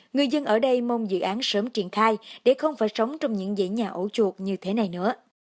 người dân ở đây mong dự án sớm triển khai để không phải sống trong những dãy nhà ổ chuột như thế này nữa